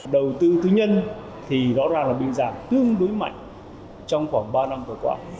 đầu tư tư nhân thì rõ ràng là bị giảm tương đối mạnh trong khoảng ba năm vừa qua